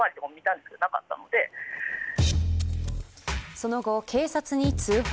その後、警察に通報。